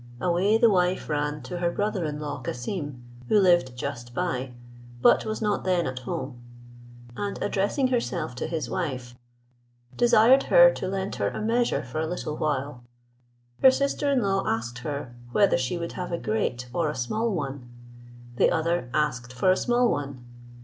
Away the wife ran to her brother in law Cassim, who lived just by, but was not then at home; and addressing herself to his wife, desired her to lend her a measure for a little while. Her sister in law asked her, whether she would have a great or a small one? The other asked for a small one.